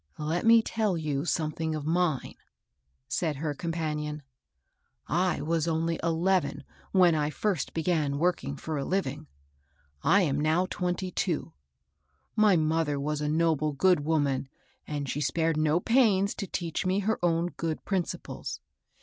" Let me tell you something of mine," said her companion/ "I was only eleven when I first began working for a living. I am now twenty BERTHA GILES. 43 two. My mother was a noble, good woman, and she spared no pains to teach me her own good principles.